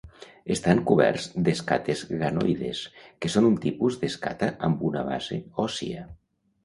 Estan coberts d'escates ganoides, que són un tipus d'escata amb una base òssia.